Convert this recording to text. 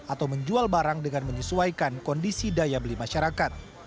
atau menjual barang dengan menyesuaikan kondisi daya beli masyarakat